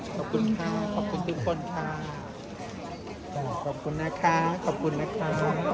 ขอบคุณค่ะขอบคุณทุกคนค่ะขอบคุณนะคะขอบคุณนะคะ